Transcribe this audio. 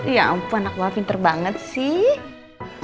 ya ampun anak mama pinter banget sih